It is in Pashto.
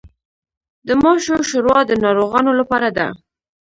د ماشو شوروا د ناروغانو لپاره ده.